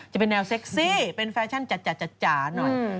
จะเป็นแนวเซ็กซี่เป็นแฟชั่นจ๋าหน่อย